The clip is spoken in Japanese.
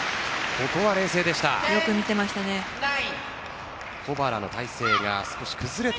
ここは冷静でした。